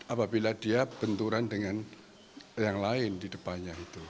apabila dia benturan dengan yang lain di depannya itu